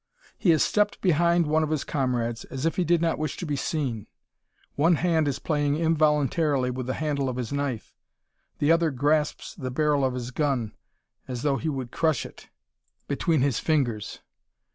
He has stepped behind one of his comrades, as if he did not wish to be seen. One hand is playing involuntarily with the handle of his knife. The other grasps the barrel of his gun, as though he would crush it between his fingers!